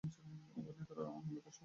অভিনেতারা মূলত শখের অভিনেতা।